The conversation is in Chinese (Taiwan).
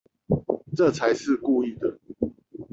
這才是故意的